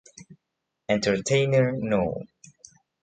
Entertainer no.